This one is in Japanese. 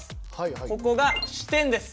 ここが支点です。